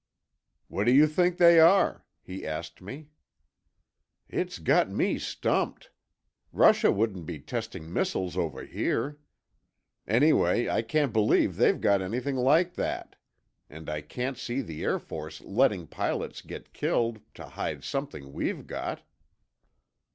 "What do you think they are?" he asked me. "It's got me stumped. Russia wouldn't be testing missiles over here. Anyway, I can't believe they've got anything like that. And I can't see the Air Force letting pilots get killed to hide something we've got."